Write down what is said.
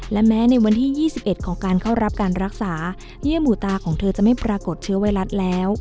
และแม้ในวันที่๒๑ของการเข้ารับการรักษาเยื่อหมู่ตาของเธอจะไม่ปรากฏเชื้อไวรัสแล้ว